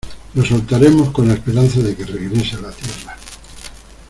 lo soltaremos con la esperanza de que regrese a la tierra